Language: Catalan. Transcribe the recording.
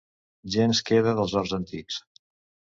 Gens queda dels horts antics.